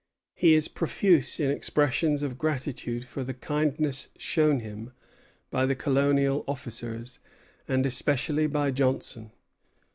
He is profuse in expressions of gratitude for the kindness shown him by the colonial officers, and especially by Johnson.